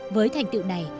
với thành tựu này